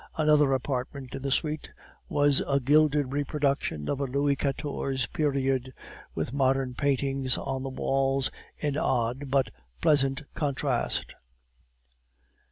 Another apartment in the suite was a gilded reproduction of the Louis Quatorze period, with modern paintings on the walls in odd but pleasant contrast.